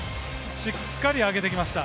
しっかり上げてきました。